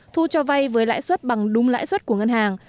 thu cho vay với lãi suất bằng đúng lãi suất của ngân hàng